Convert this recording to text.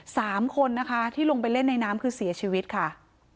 สามคนนะคะที่ลงไปเล่นในน้ำคือเสียชีวิตค่ะ